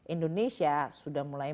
indonesia sudah mulai